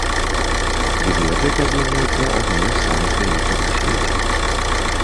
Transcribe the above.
Бібліятэка з'яўляецца адной з самых вялікіх у свеце.